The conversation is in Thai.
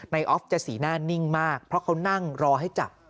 ออฟจะสีหน้านิ่งมากเพราะเขานั่งรอให้จับ